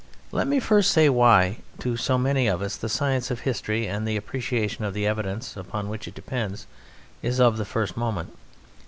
Let me first say why, to so many of us, the science of history and the appreciation of the evidence upon which it depends is of the first moment.